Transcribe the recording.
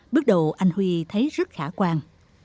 bước đầu anh huy thấy rất khả quan